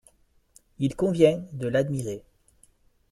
Il convient de l'admirer.